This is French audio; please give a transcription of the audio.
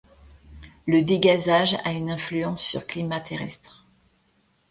Le dégazage a une influence sur climat terrestre.